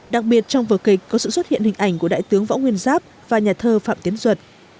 đặc biệt trong vở kịch có sự xuất hiện hình ảnh của đại tướng võ nguyên giáp và nhà thơ phạm tiến duật